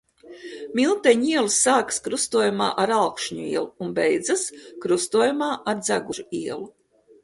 Milteņu iela sākas krustojumā ar Alkšņu ielu un beidzas krustojumā ar Dzegužu ielu.